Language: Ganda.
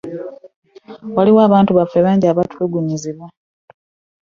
Waliwo abantu baffe bangi abatulugunyizibwa.